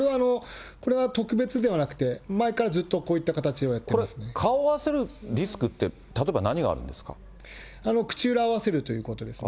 これは特別ではなくて、前からずこれ、顔合わせるリスクって、口裏を合わせるということですね。